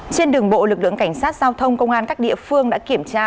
trên đường bộ lực lượng cảnh sát giao thông công an các địa phương đã kiểm tra